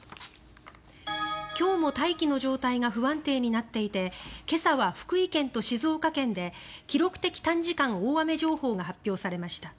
今日も大気の状態が不安定になっていて今朝は福井県と静岡県で記録的短時間大雨情報が発表されました。